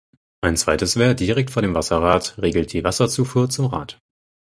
Ein zweites Wehr direkt vor dem Wasserrad regelt die Wasserzufuhr zum Rad.